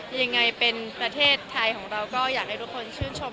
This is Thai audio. ยังไงเป็นประเทศไทยของเราก็อยากให้ทุกคนชื่นชม